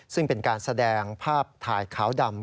ซึ่งเป็นการแสดงภาพถ่ายขาวดำ